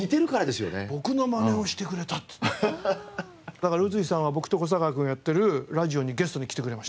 だから宇津井さんは僕と小堺君がやってるラジオにゲストに来てくれました。